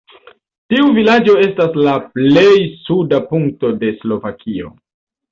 Tiu vilaĝo estas la plej suda punkto de Slovakio.